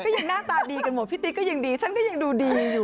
ยังหน้าตาดีกันหมดพี่ติ๊กก็ยังดีฉันก็ยังดูดีอยู่